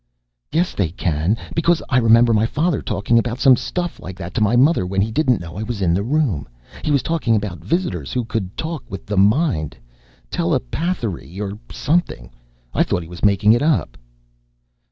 "Yes, they can. Because I remember my father talking about some stuff like that to my mother when he didn't know I was in the room. He was talking about visitors who could talk with the mind. Telepathery or something. I thought he was making it up."